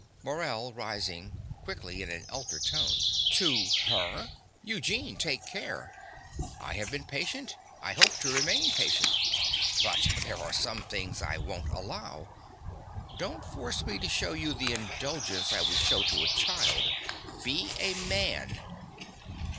MORELL (rising; quickly, in an altered tone). To her! Eugene: take care. I have been patient. I hope to remain patient. But there are some things I won't allow. Don't force me to show you the indulgence I should show to a child. Be a man.